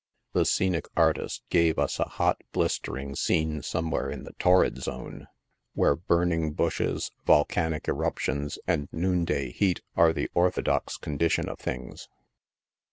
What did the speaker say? The scenic artist gave us a hot, blistering scene somewhere in the Torrid Zone, where burning bushes, volcanic eruptions and noon day heat are the orthodox condition of things.